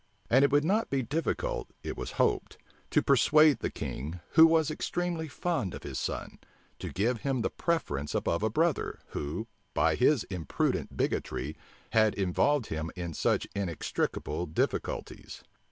And it would not be difficult, it was hoped, to persuade the king, who was extremely fond of his son, to give him the preference above a brother, who, by his imprudent bigotry, had involved him in such inextricable difficulties.